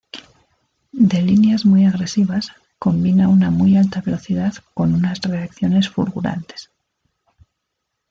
De líneas muy agresivas, combina una muy alta velocidad con unas reacciones fulgurantes.